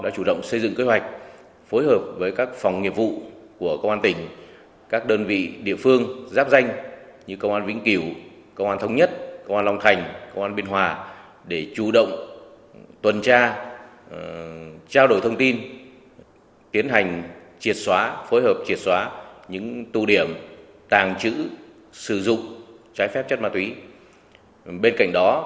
subscribe cho kênh lalaschool để không bỏ lỡ những video hấp dẫn